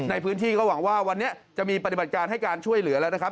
ในพื้นที่ก็หวังว่าวันนี้จะมีปฏิบัติการให้การช่วยเหลือแล้วนะครับ